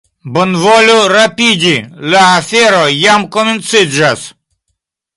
Bonvolu rapidi, la afero jam komenciĝas.